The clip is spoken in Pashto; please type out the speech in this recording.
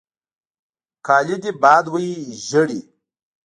کالې دې باد وهي ژړې.